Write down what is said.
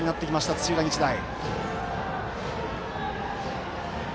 土浦日大。